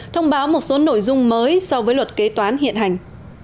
thông báo một số nội dung mới so với luật kế toán hiện hành